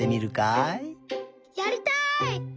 やりたい！